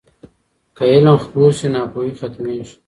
که علم خپور سي، ناپوهي ختمېږي.